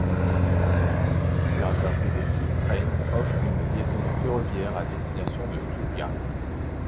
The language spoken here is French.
L'opérateur privé FlixTrain offre une liaison ferroviaire à destination de Stuttgart.